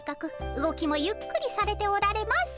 動きもゆっくりされておられます。